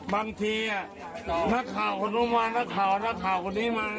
บางทีนักข่าวของทุกวันนักข่าวของนักข่าวนี้มา